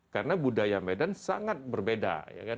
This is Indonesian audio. karena budaya medan sangat berbeda